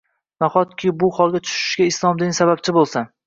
Nahotki, shu holga tushishimizga islom dini sababchi bo‘lsa?